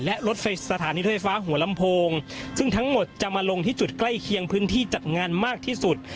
และรถไฟสถานีรถไฟฟ้าหัวลำโพงซึ่งทั้งหมดจะมาลงที่จุดใกล้เคียงพื้นที่จัดงานมากที่สุด